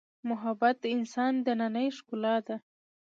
محبت د انسان دنننۍ ښکلا ده.